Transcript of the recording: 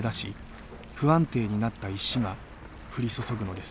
不安定になった石が降り注ぐのです。